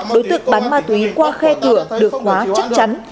đối tượng bán ma túy qua khe cửa được khóa chắc chắn